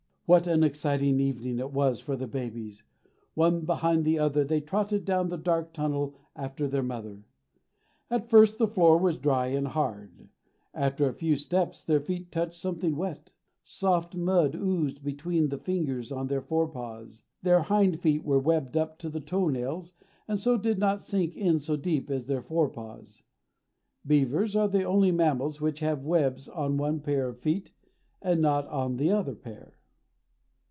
What an exciting evening it was for the babies! One behind the other they trotted down the dark tunnel after their mother. At first the floor was dry and hard. After a few steps their feet touched something wet. Soft mud oozed between the fingers on their fore paws. Their hind feet were webbed up to the toe nails, and so did not sink in so deep as their fore paws. Beavers are the only mammals which have webs on one pair of feet, and not on the other pair.